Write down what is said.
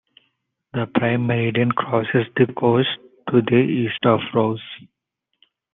The Prime Meridian crosses the coast to the east of Roos.